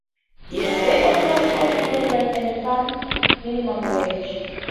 They opposed housing programs and the farm minimum wage.